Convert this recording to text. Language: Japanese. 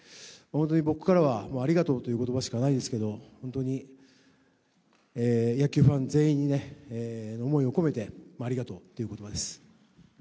僕からはありがとうという言葉しかないですけど野球ファン全員に思いを込めてありがとうという言葉です。